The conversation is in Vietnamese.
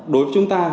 đối với chúng ta